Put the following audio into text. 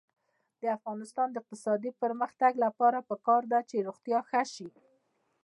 د افغانستان د اقتصادي پرمختګ لپاره پکار ده چې روغتیا ښه شي.